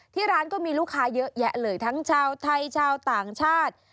ที่ร้านก็มีลูกค้าเยอะแยะเลยทั้งชาวไทยชาวต่างชาติ